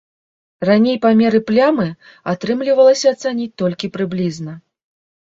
Раней памеры плямы атрымлівалася ацаніць толькі прыблізна.